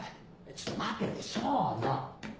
ちょっと待てって笙野！